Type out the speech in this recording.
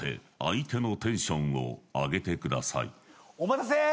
おまたせ